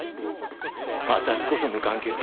私こそ無関係だ。